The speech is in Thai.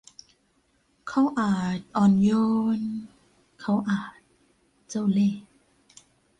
เขาอาจอ่อนโยน เขาอาจเจ้าเลห์